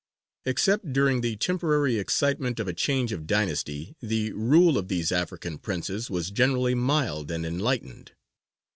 Except during the temporary excitement of a change of dynasty, the rule of these African princes was generally mild and enlightened.